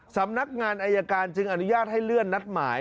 สำนักงานอายการจึงอนุญาตให้เลื่อนนัดหมาย